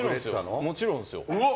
もちろんですよ。